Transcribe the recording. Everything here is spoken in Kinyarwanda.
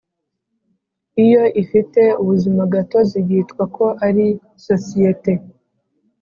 Iyo ifite ubuzimagatozi yitwa ko ari sosiyete